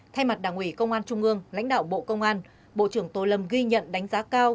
thay mặt đảng ủy công an trung ương lãnh đạo bộ công an bộ trưởng tô lâm ghi nhận đánh giá cao